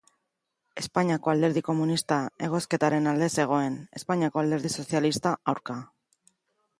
Espainiako Alderdi Komunista egozketaren alde zegoen, Espainiako Alderdi Sozialista, aurka.